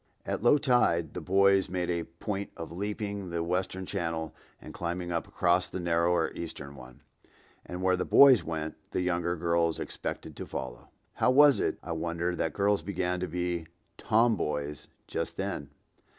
At low tide the boys made a point of leaping the western channel and climbing up across the narrower eastern one, and where the boys went, the younger girls expected to follow. (How was it, I wonder, that girls began to be "tomboys" just then?